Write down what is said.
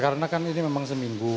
karena kan ini memang seminggu